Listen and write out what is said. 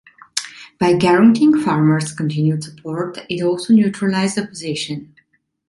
By guaranteeing farmers continued support, it also neutralised opposition.